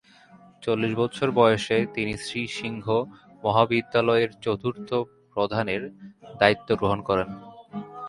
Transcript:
চল্লিশ বছর বয়স হলে তিনি শ্রী সিংহ মহাবিদ্যালয়ের চতুর্থ প্রধানের দায়িত্ব গ্রহণ করেন।